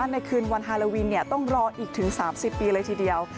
ในคืนวันฮาโลวินต้องรออีกถึง๓๐ปีเลยทีเดียว